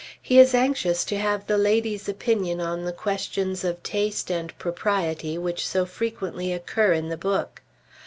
He is anxious to have the lady's opinion on the questions of taste and propriety which so frequently occur in the book....